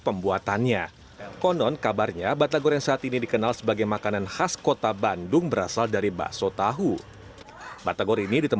pemburu kuliner tentu juga bisa menarik